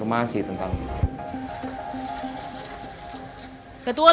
saya tetap berdoa